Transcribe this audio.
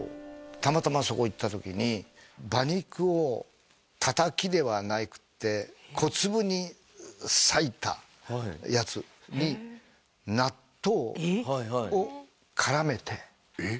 たまたまそこ行ったときに馬肉をたたきではなくて小粒にさいたやつに納豆を絡めてえっ？